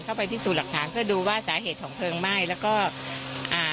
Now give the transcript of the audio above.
ไปพิสูจน์หลักฐานเพื่อดูว่าสาเหตุของเพลิงไหม้แล้วก็อ่า